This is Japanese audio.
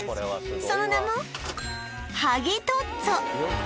その名もはぎトッツォ